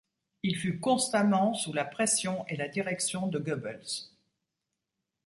Il fut constamment sous la pression et la direction de Goebbels.